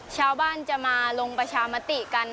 ชาวบ้านจะมาลงประชามติกัน